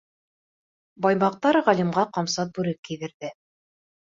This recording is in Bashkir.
Баймаҡтар ғалимға ҡамсат бүрек кейҙерҙе.